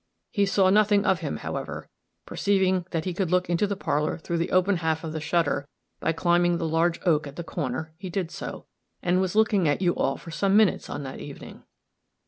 He saw nothing of him, however; perceiving that he could look into the parlor through the open upper half of the shutter by climbing the large oak at the corner, he did so; and was looking at you all for some minutes on that evening.